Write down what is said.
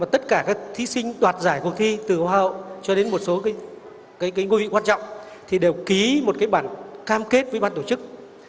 tất cả các thí sinh đoạt giải cuộc thi từ hoa hậu cho đến một số ngôi vị quan trọng thì đều ký một bản cam kết với ban tổ chức